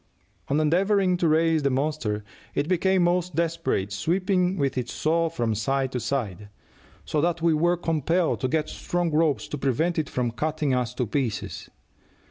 On endeavoring to raise the monster it became most desperate, sweeping with its saw from side to side, so that we were compelled to get strong ropes to prevent it from cutting us to pieces.